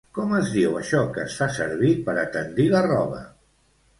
Com es diu això que es fa servir per a tendir la roba?